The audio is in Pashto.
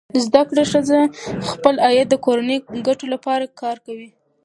زده کړه ښځه خپل عاید د کورنۍ ګټو لپاره کاروي.